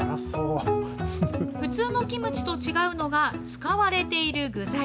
普通のキムチと違うのが、使われている具材。